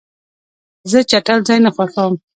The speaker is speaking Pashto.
زه چټل ځای نه خوښوم.